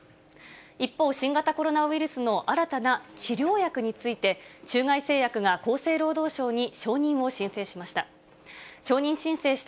一方、新型コロナウイルスの新たな治療薬について、中外製薬が厚生労働省に承認を申請しました。